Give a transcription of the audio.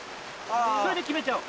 それで決めちゃおう。